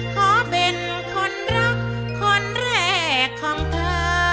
ขอเป็นคนรักคนแรกของเธอ